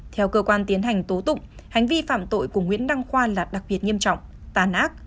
theo cơ quan tiến hành tố tụng hành vi phạm tội của nguyễn đăng khoa là đặc biệt nghiêm trọng tàn ác